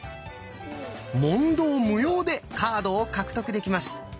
問答無用でカードを獲得できます。